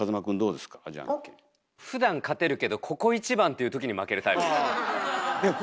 ふだん勝てるけどここ一番っていう時に負けるタイプですね。